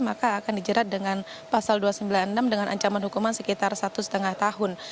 maka akan dijerat dengan pasal dua ratus sembilan puluh enam dengan ancaman hukuman sekitar satu lima tahun